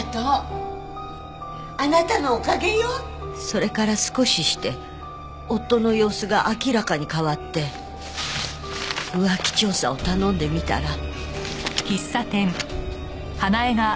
それから少しして夫の様子が明らかに変わって浮気調査を頼んでみたら。